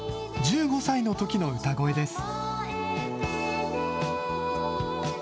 １５歳のときの歌声です。